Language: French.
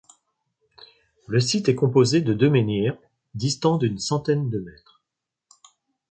Le site est composé de deux menhirs, distants d'une centaine de mètres.